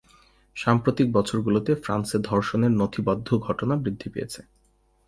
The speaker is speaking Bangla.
সাম্প্রতিক বছরগুলোতে ফ্রান্সে ধর্ষণের নথিবদ্ধ ঘটনা বৃদ্ধি পেয়েছে।